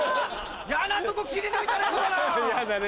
嫌なとこ切り抜いたレゴだな。